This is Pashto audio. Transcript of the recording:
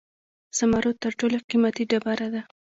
زمرد تر ټولو قیمتي ډبره ده